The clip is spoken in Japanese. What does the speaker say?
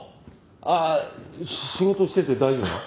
ああ仕事してて大丈夫なの？